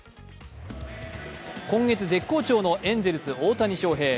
今月絶好調のエンゼルス大谷翔平。